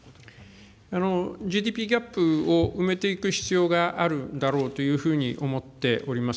ＧＤＰギャップを埋めていく必要があるんだろうというふうに思っております。